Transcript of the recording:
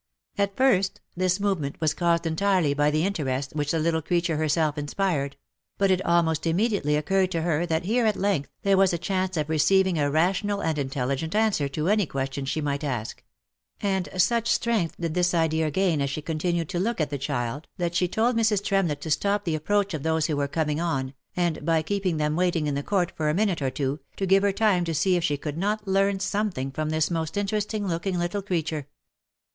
At first this movement was caused entirely by the interest which the little creature herself inspired — but it almost immediately occurred to her, that here, at length, there was a chance of receiving a rational and intelligent answer to any question she might ask ; and such strength did this idea gain as she continued to look at the child, that she told Mrs. Tremlett to stop the approach of those who were coming on, and by keeping them waiting in the court for a minute or two, to give her time to see if she could not learn something from this most interesting looking little creature.